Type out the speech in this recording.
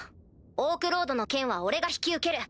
オークロードの件は俺が引き受ける。